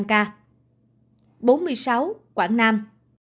bốn mươi sáu quảng nam